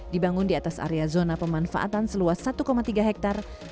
dibangun di atas area zona pemanfaatan seluas satu tiga hektare